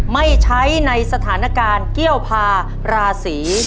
ไม่ใช้ในสถานการณ์เกี้ยวพาราศี